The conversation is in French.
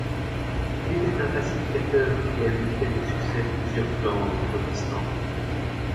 Il était un pacificateur et a unifié avec succès plusieurs clans au Kurdistan.